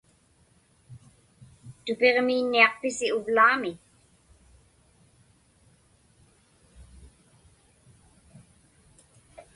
Tupiġmiinniaqpisi uvlaami?